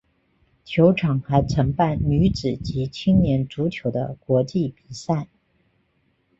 球场还承办女子及青年足球的国际比赛。